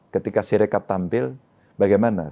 ketika sirecap tampil bagaimana